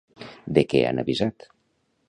De què han avisat?